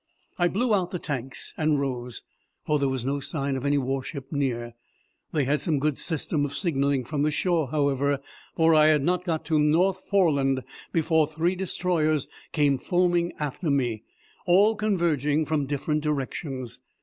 I blew out the tanks and rose, for there was no sign of any warship near. They had some good system of signalling from the shore, however, for I had not got to the North Foreland before three destroyers came foaming after me, all converging from different directions.